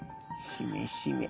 しめしめ。